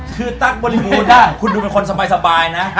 คือตั้งบริมูธคุณดูเป็นคนสบายนะ